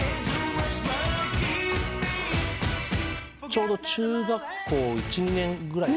ちょうど中学校１２年ぐらいですね。